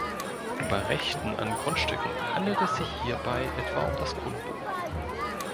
Bei Rechten an Grundstücken handelt es sich hierbei etwa um das Grundbuch.